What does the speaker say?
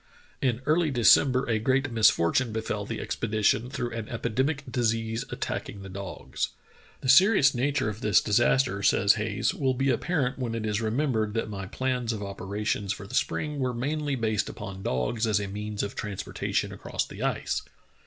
In early December a great misfortune befell the expedition through an epidemic disease attacking the dogs. "The serious nature of this disaster [says Hayes] will be apparent when it is remembered that my plans Sonntag's Fatal Sledge Journey 163 of operations for the spring were mainly based upon dogs as a means of transportation across the ice.